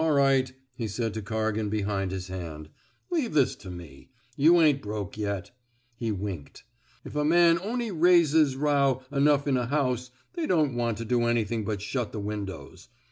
All right," he said to Corrigan behind his hand. Leave this to me. You ain 't broke yet. '' He winked* If a man on'y raises row enough in a house, they don't want to do anythin' but shut the windows.